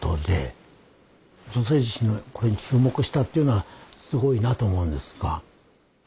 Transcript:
「女性自身」のこれに注目したっていうのはすごいなと思うんですが。